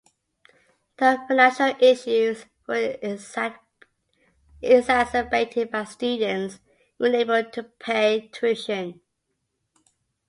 The financial issues were exacerbated by students unable to pay tuition.